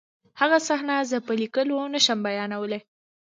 هغه صحنه زه په لیکلو نشم بیانولی